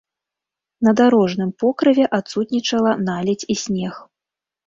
На дарожным покрыве адсутнічала наледзь і снег.